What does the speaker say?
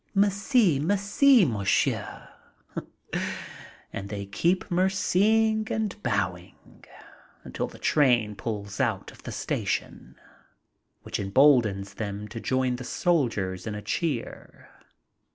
"Merci, merci, monsieur." And they keep "merciing" and bowing until the train pulls out of the station, which emboldens them to join the soldiers in a cheer.